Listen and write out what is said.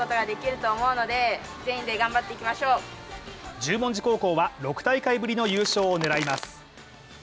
十文字高校は６大会ぶりの優勝を狙います。